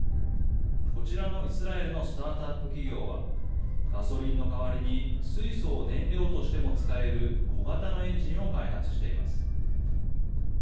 こちらのイスラエルのスタートアップ企業は、ガソリンの代わりに水素を燃料としても使える小型のエンジンを開発しています。